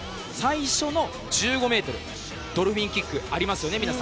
最初の１５ｍドルフィンキックがあります。